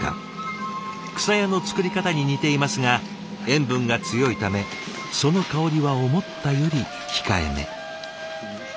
「くさや」の作り方に似ていますが塩分が強いためその香りは思ったより控えめ。